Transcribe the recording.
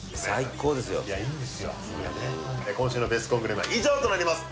今週のベスコングルメは以上となります